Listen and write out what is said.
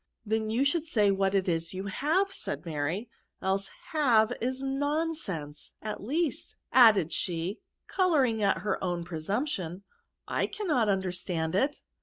" Then you should say what it is you have^ said Mary, " else have is nonsense,— at least/* added she, colouring at her own presumption, " I cannot understand it."